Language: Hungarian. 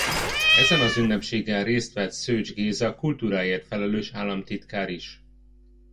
Ezen az ünnepségen részt vett Szőcs Géza kultúráért felelős államtitkár is.